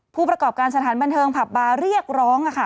ผู้ประกอบการสถานบันเทิงผับบาร์เรียกร้อง